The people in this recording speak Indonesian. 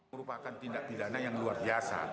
merupakan tindak pidana yang luar biasa